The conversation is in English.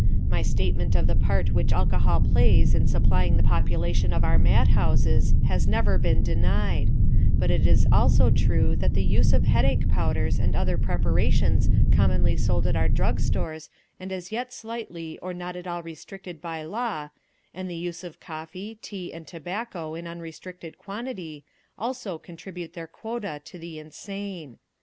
My statement of the part which alcohol plays in supplying the population of our mad houses has never been denied; but it is also true that the use of headache powders and other preparations commonly sold at our drug stores and as yet slightly or not at all restricted by law, and the use of coffee, tea, and tobacco in unrestricted quantity, also contribute their quota to the insane.